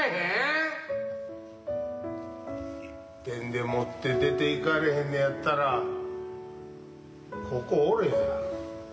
いっぺんで持って出ていかれへんねやったらここおれや。